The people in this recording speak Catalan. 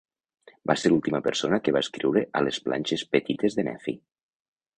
Va ser l'última persona que va escriure a les planxes petites de Nefi.